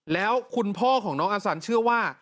แล้วคุณพ่อของน้องอสันเชื่อว่า